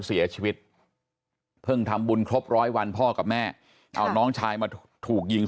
เสียชีวิตเพิ่งทำบุญครบร้อยวันพ่อกับแม่เอาน้องชายมาถูกยิง